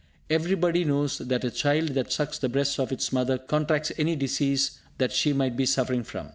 Everybody knows that a child that sucks the breast of its mother contracts any disease that she might be suffering from.